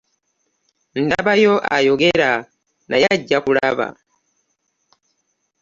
Ndabayo ayogera naye ajja kulaba.